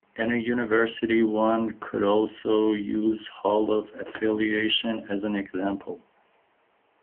In a university one could also use hall of affiliation as an example.